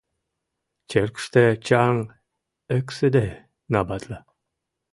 Черкыште чаҥ эксыде набатла.